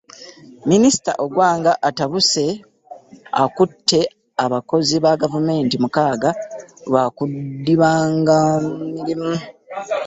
Minisita Ogwang atabuse, akutte abakozi ba gavumenti mukaaga lwa kudibaga mirimu